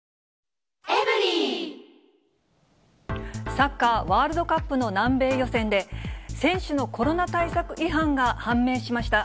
サッカーワールドカップの南米予選で、選手のコロナ対策違反が判明しました。